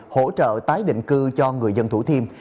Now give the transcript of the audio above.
hỗ trợ tái định cư cho người dân thủ thiêm